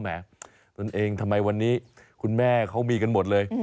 ตนเองทำไมวันนี้คุณแม่เขามีกันหมดเลย